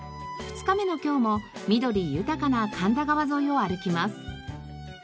２日目の今日も緑豊かな神田川沿いを歩きます。